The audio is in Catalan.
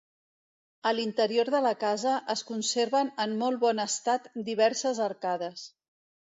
A l'interior de la casa es conserven en molt bon estat diverses arcades.